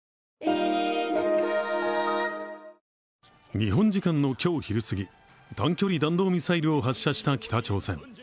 日本時間の今日昼すぎ短距離弾道ミサイルを発射した北朝鮮。